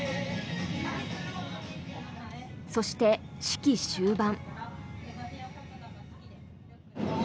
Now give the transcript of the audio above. そして、式終盤。